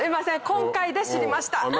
今回で知りました。